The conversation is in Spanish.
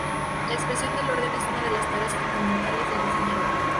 La expresión del orden es una de las tareas fundamentales del diseñador.